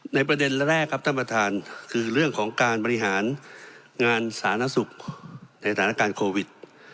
ประเด็นแรกครับท่านประธานคือเรื่องของการบริหารงานสาธารณสุขในสถานการณ์โควิด